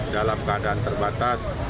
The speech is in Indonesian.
dalam keadaan terbatas